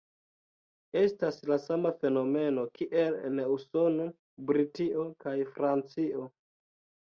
Estas la sama fenomeno kiel en Usono, Britio kaj Francio.